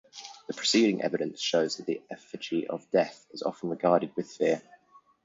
The preceding evidence shows that the effigy of Death is often regarded with fear.